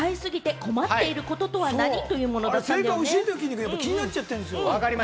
正解を教えてよ、気になっちゃってんですよ。